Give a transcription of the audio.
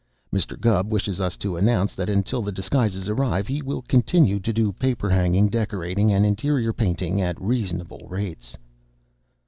Mr. Gubb wishes us to announce that until the disguises arrive he will continue to do paper hanging, decorating, and interior painting at reasonable rates."